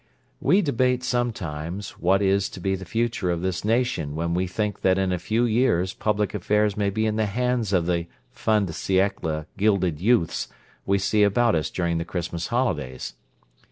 We debate sometimes what is to be the future of this nation when we think that in a few years public affairs may be in the hands of the fin de siècle gilded youths we see about us during the Christmas holidays.